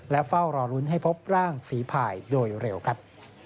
และเฝ้ารอรุ้นให้พบร่างฝีภายโดยเร็วครับ